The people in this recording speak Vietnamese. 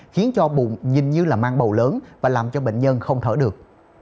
khiến cho bụng nhìn như mang bầu lớn và làm cho bệnh nhân không thở được